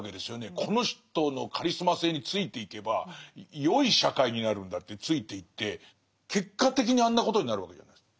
この人のカリスマ性についていけばよい社会になるんだってついていって結果的にあんなことになるわけじゃないですか。